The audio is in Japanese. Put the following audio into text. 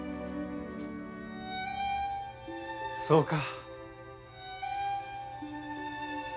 そうか。